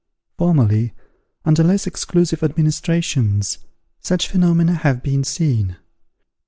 Formerly, under less exclusive administrations, such phenomena have been seen.